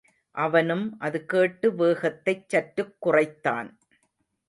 அவனும் அது கேட்டு வேகத்தைச் சற்றுக்குறைத்தான்.